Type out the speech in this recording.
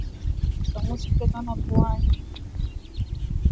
Makamasi hutoka puani wanyama wakiwa na ugonjwa wa miguu na midomo